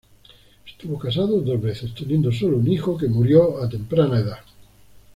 Estuvo casado dos veces, teniendo sólo un hijo, que murió a temprana edad.